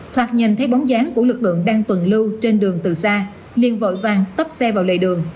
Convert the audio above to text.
thoạt nhìn thấy bóng dáng của lực lượng đang tuần lưu trên đường từ xa liền vội vàng tấp xe vào lề đường